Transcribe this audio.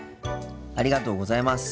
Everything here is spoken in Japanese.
ありがとうございます。